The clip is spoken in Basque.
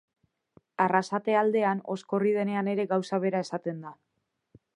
Arrasate aldean, oskorri denean ere gauza bera esaten da.